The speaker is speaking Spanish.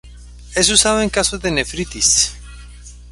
Es usado en casos de nefritis.